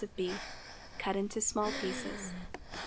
of beef, cut into small pieces.